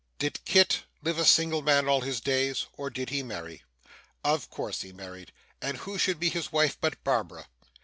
Did Kit live a single man all his days, or did he marry? Of course he married, and who should be his wife but Barbara?